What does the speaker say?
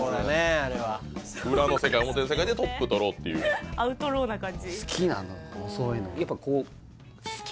あれは裏の世界表の世界でトップ取ろうっていうアウトローな感じ？